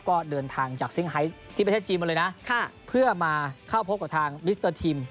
ก็เดินทางจากซิงไฮที่ประเทศจีนมาเลยนะเพื่อมาเข้าพบกับทางมิสเตอร์ทีม